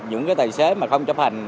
những cái tài xế mà không chấp hành